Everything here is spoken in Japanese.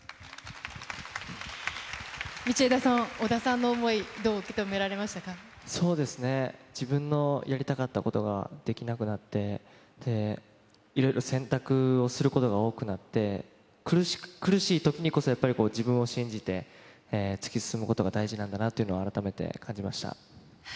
道枝さん、小田さんの思い、そうですね、自分のやりたかったことができなくなって、で、いろいろ選択をすることが多くなって、苦しいときにこそやっぱり自分を信じて、突き進むことが大事なんだなっていうのを改めて感じました。